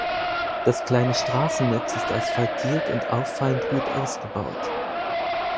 Das kleine Straßennetz ist asphaltiert und auffallend gut ausgebaut.